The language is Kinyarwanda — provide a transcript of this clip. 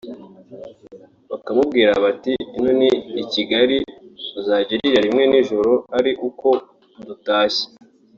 bakamubwira bati’ Ino ni i Kigali uzajya urira rimwe ninjoro ari uko dutashye